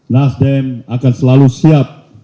nasdem akan selalu siap